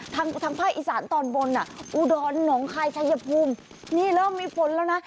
ทางภาคอีสานตอนบนอ่ะอุดรหนองคายชายภูมินี่เริ่มมีฝนแล้วนะ